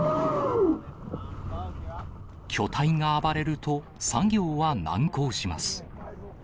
巨体が暴れると、作業は難航します。